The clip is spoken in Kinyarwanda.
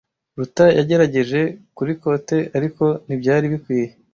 Ruta yagerageje kuri kote, ariko ntibyari bikwiye.